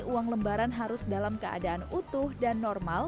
uang lembaran harus dalam keadaan utuh dan normal